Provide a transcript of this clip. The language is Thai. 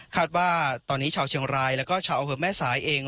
ว่าตอนนี้ชาวเชียงรายแล้วก็ชาวอำเภอแม่สายเอง